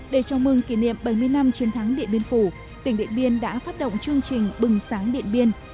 để chào mừng kỷ niệm bảy mươi năm chiến thắng điện biên phủ tỉnh điện biên đã phát động chương trình bừng sáng điện biên